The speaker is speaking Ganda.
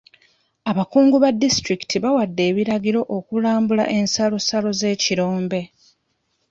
Abakungu ba disitulikiti bawadde ebiragiro okulamba ensalosalo z'ekirombe.